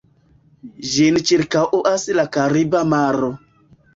Ĝin ĉirkaŭas la Kariba Maro.